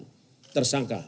dan pertimbangan kesehatan